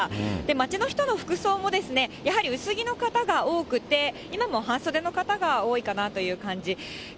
街の人の服装もですね、やはり薄着の方が多くて、今も半袖の方が多いかなという感じ。